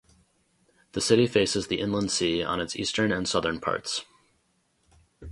The city faces the Inland Sea on its eastern and southern parts.